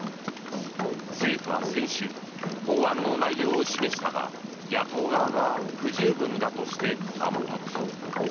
政府は先週法案の内容を示したが野党側が不十分だとして反発。